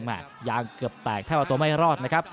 ยางเกือบแตกแทบเอาตัวไม่รอดนะครับ